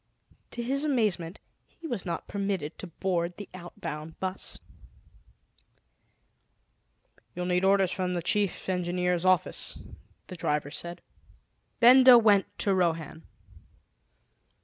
To his amazement, he was not permitted to board the outbound bus. "You'll need orders from the Chief Engineer's office," the driver said. Benda went to Rohan.